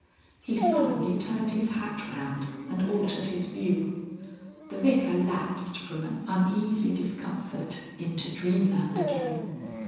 He solemnly turned his hat round and altered his view. The Vicar lapsed from an uneasy discomfort into dreamland again.